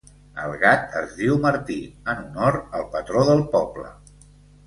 El gat es diu Martí, en honor al patró del poble.